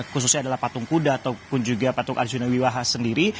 khususnya adalah patung kuda ataupun juga patung arjuna wiwaha sendiri